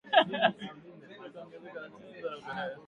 ameonya kuhusu ongezeko la nyenzo za upelelezi